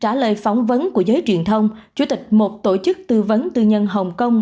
trả lời phóng đồng của giới truyền thông chủ tịch một tổ chức tư vấn tư nhân hồng kông